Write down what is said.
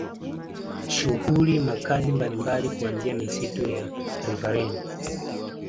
Shughuli makazi mbalimbali kuanzia misitu ya riverine